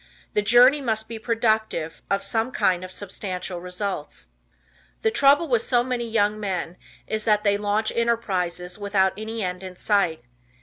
The journey must be productive of some kind of substantial results. The trouble with so many young men is that they launch enterprises without any end in sight.